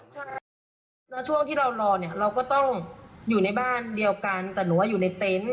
ช่วงที่เรารอเราก็ต้องอยู่ในบ้านเดียวกันแต่หนูว่าอยู่ในเต้น